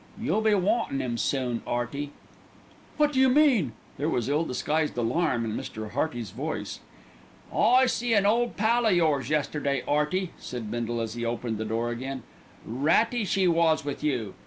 "You'll be wantin' 'im soon, 'Earty." "What do you mean?" There was ill disguised alarm in Mr. Hearty's voice. "I see an ole pal o' yours yesterday, 'Earty," said Bindle as he opened the door again. "Ratty she was with you.